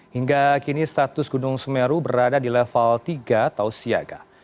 hingga kini status gunung semeru berada di level tiga atau siaga